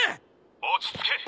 落ち着け！